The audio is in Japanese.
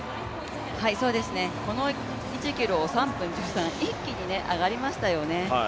この１ｋｍを３分１３、一気に上がりましたよね。